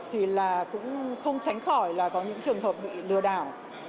thì là cũng không tránh khỏi là có những trường hợp bị lừa đảo